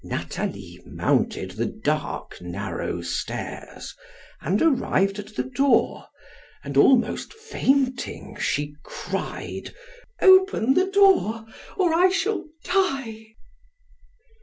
Nathalie mounted the dark, narrow stairs, and arrived at the door, and, almost fainting, she cried: "Open the door, or I shall die!"